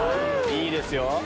いいですよ！